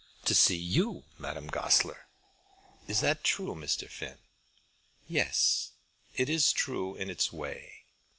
"To see you, Madame Goesler." "Is that true, Mr. Finn?" "Yes; it is true in its way.